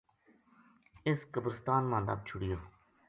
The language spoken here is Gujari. اس قبرستان ما دَب چھُڑیو